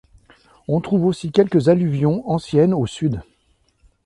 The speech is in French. On trouve aussi quelques alluvions anciennes au Sud.